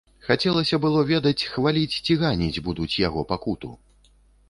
Хацелася было ведаць, хваліць ці ганіць будуць яго пакуту.